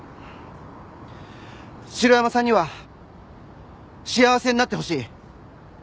城山さんには幸せになってほしい。